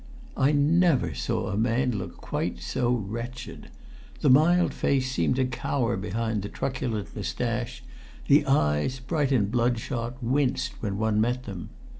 I never saw a man look quite so wretched. The mild face seemed to cower behind the truculent moustache; the eyes, bright and bloodshot, winced when one met them.